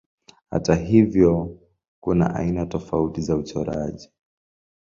Hata hivyo kuna aina tofauti za uchoraji.